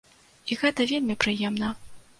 І гэта вельмі прыемна!